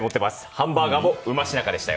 ハンバーガーもうましなかでした。